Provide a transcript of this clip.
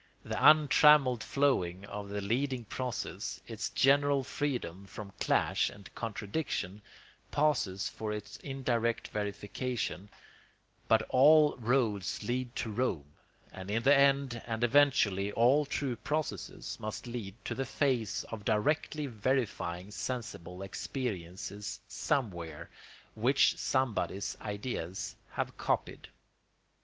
The untrammeled flowing of the leading process, its general freedom from clash and contradiction, passes for its indirect verification; but all roads lead to Rome, and in the end and eventually, all true processes must lead to the face of directly verifying sensible experiences SOMEWHERE, which somebody's ideas have copied.